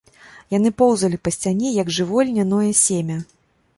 Яны поўзалі па сцяне, як жывое льняное семя.